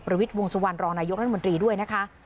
ประวิทย์วงสวรรค์รองนายกรรมดรีด้วยนะคะ